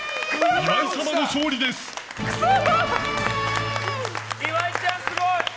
岩井ちゃん、すごい！